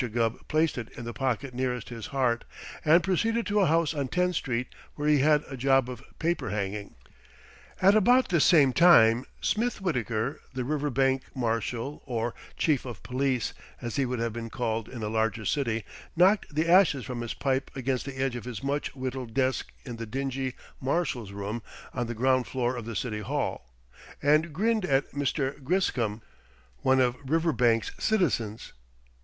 Gubb placed it in the pocket nearest his heart and proceeded to a house on Tenth Street where he had a job of paper hanging. At about this same time Smith Wittaker, the Riverbank Marshal or Chief of Police, as he would have been called in a larger city knocked the ashes from his pipe against the edge of his much whittled desk in the dingy Marshal's room on the ground floor of the City Hall, and grinned at Mr. Griscom, one of Riverbank's citizens.